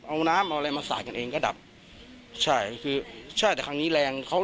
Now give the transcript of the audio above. เอาน้ำเอาอะไรมาสาดกันเองก็ดับใช่คือใช่แต่ครั้งนี้แรงเขา